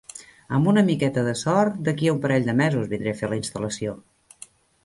Amb una miqueta de sort, d'aquí a un parell de mesos vindré a fer la instal·lació.